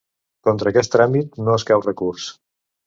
Contra aquest tràmit no escau recurs.